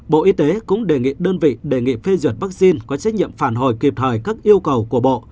bộ y tế cũng đề nghị đơn vị đề nghị phê duyệt vaccine có trách nhiệm phản hồi kịp thời các yêu cầu của bộ